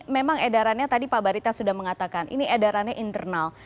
memang edarannya tadi pak barita sudah mengatakan ini edarannya internal